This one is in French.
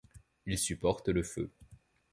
Il supporte le feu.